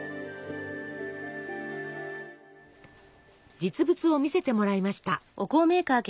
実物を見せてもらいました。